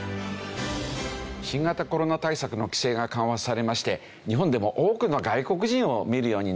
新型コロナ対策の規制が緩和されまして日本でも多くの外国人を見るようになりましたよね。